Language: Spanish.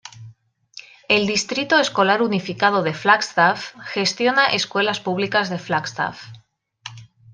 El Distrito Escolar Unificado de Flagstaff gestiona escuelas públicas de Flagstaff.